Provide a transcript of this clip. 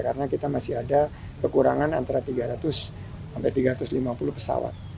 karena kita masih ada kekurangan antara tiga ratus sampai tiga ratus lima puluh pesawat